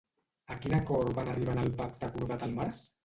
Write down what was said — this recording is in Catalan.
A quin acord van arribar en el pacte acordat al març?